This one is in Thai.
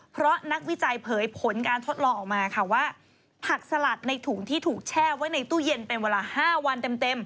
เพราะนักวิจัยเผยผลการทดลองออกมาค่ะว่าผักสลัดในถุงที่ถูกแช่ไว้ในตู้เย็นเป็นเวลา๕วันเต็ม